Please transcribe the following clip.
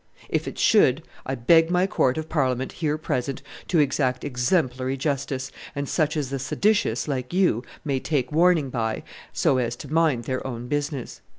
If it should, I beg my court of Parliament, here present, to exact exemplary justice, and such as the seditious, like you, may take warning by, so as to mind their own business."